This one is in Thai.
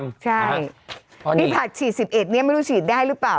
ใช่พี่ผัดฉีด๑๑เนี่ยไม่รู้ฉีดได้หรือเปล่า